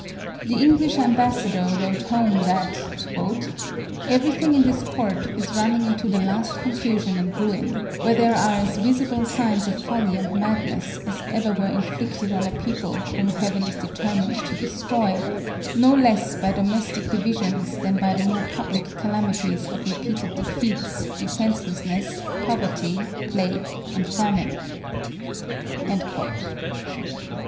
The English ambassador wrote home that "everything in this court is running into the last confusion and ruin, where there are as visible signs of folly and madness as ever were inflicted on a people whom Heaven is deter mined to destroy, no less by domestic divisions than by the more public calamities of repeated defeats, defence lessness, poverty, plague and famine."